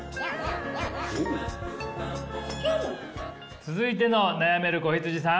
続いての悩める子羊さん。